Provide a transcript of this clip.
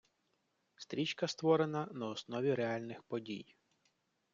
Стрічка створена на основі реальних подій.